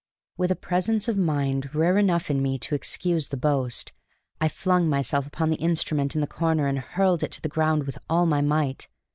With a presence of mind rare enough in me to excuse the boast, I flung myself upon the instrument in the corner and hurled it to the ground with all my might.